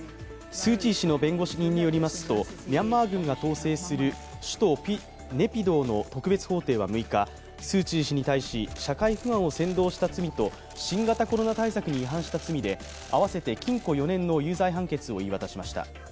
スー・チー氏の弁護人によりますと、ミャンマー軍が統制する首都ネピドーの特別法廷は６日、スー・チー氏に対し社会不安を扇動した罪と新型コロナ対策に違反した罪で、合わせて禁錮４年の有罪判決を言い渡しました。